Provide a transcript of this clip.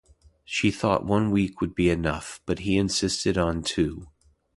She thought one week would be enough, but he insisted on two.